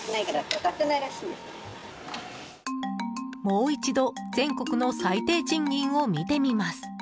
もう一度全国の最低賃金を見てみます。